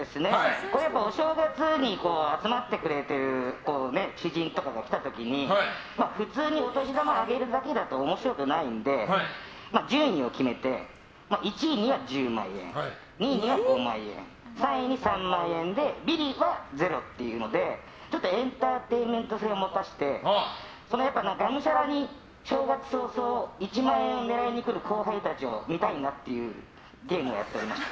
やっぱりお正月に集まってくれる知人とかも来た時に普通にお年玉あげるだけだと面白くないので順位を決めて、１位には１０万円２位には５万円、３位に３万円でビリはゼロっていうのでエンターテインメント性を持たせてがむしゃらに正月早々１万円を狙いにくる後輩たちを見たいなっていうゲームをやっておりました。